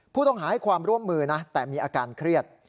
ผู้ต้องหาให้ความร่วมมือนะแต่มีอาการเครียด